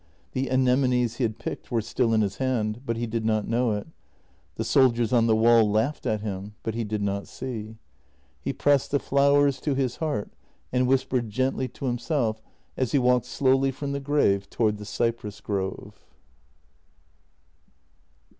The anemones he had picked were still in his hand, but he did not know it. The soldiers on the wall laughed at him, but he did not see. He pressed the flowers to his heart, and whispered gently to himself as he walked slowly from the grave toward the cypress grove.